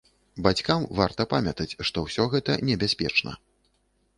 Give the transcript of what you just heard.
Бацькам варта памятаць, што ўсё гэта небяспечна.